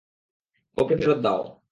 ওটা ফেরত দাও!